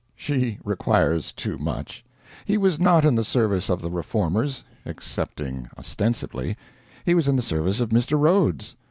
She requires too much. He was not in the service of the Reformers excepting ostensibly; he was in the service of Mr. Rhodes.